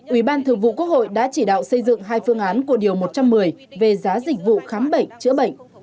ủy ban thường vụ quốc hội đã chỉ đạo xây dựng hai phương án của điều một trăm một mươi về giá dịch vụ khám bệnh chữa bệnh